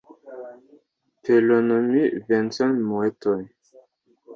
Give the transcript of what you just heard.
Pelonomi Venson-Moitoi